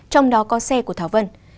trong đó có xe của thảo vân